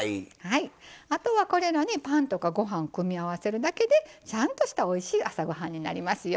あとはこれらにパンとかご飯を組み合わせるだけでちゃんとしたおいしい朝ごはんになりますよ。